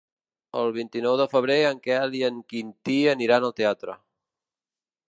El vint-i-nou de febrer en Quel i en Quintí aniran al teatre.